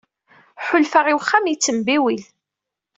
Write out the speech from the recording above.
Ḥulfaɣ i uxxam yettembiwil.